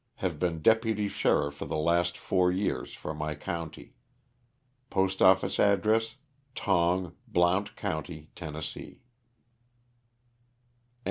Have been deputy sheriff for the last four years for my county. PostoflSce address, Tong, Blount county, Tenn. 206 LOSS OF THE SULTANA.